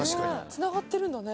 つながってるんだね。